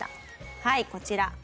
はいこちら。